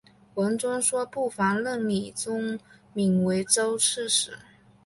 文宗说不妨任李宗闵为州刺史。